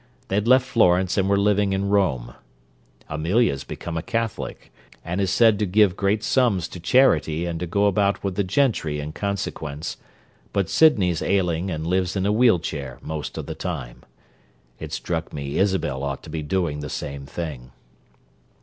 They'd left Florence and were living in Rome; Amelia's become a Catholic and is said to give great sums to charity and to go about with the gentry in consequence, but Sydney's ailing and lives in a wheel chair most of the time. It struck me Isabel ought to be doing the same thing."